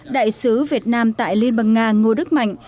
đại sứ việt nam tại liên bang nga ngô đức mạnh